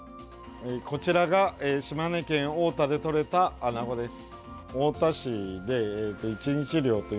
こちらが島根県大田で取れたアナゴです。